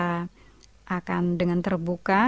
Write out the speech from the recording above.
kita akan dengan terbuka